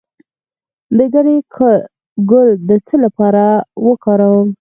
د ګنی ګل د څه لپاره وکاروم؟